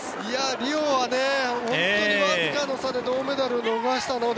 リオは本当にわずかな差で銅メダルを逃したので。